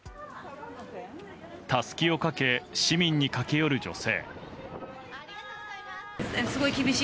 たすきをかけ市民に駆け寄る女性。